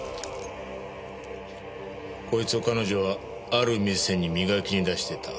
こいつを彼女はある店に磨きに出していた。